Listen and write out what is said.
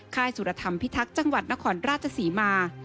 ค่ายสุรธรรมพิทักษ์จังหวัดนครราชศรีมา